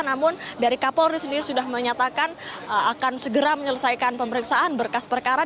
namun dari kapolri sendiri sudah menyatakan akan segera menyelesaikan pemeriksaan berkas perkara